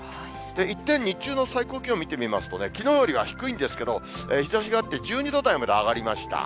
一転、日中の最高気温見てみますとね、きのうよりは低いんですけど、日ざしがあって、１２度台まで上がりました。